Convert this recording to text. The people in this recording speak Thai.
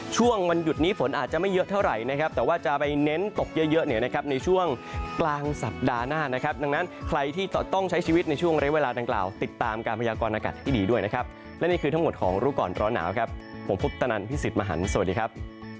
ช่วงวันหยุดนี้ฝนอาจจะไม่เยอะเท่าไหร่นะครับแต่ว่าจะไปเน้นตกเยอะเนี่ยนะครับในช่วงกลางสัปดาห์หน้านะครับดังนั้นใครที่ต้องใช้ชีวิตในช่วงเรียกเวลาดังกล่าวติดตามการพยากรณากาศให้ดีด้วยนะครับและนี่คือทั้งหมดของรู้ก่อนร้อนหนาวครับผมพุทธนันพี่สิทธิ์มหันฯสวัสดีครับ